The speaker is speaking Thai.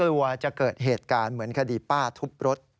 กลัวจะเกิดเหตุการณ์เหมือนคดีป้าทุบรถ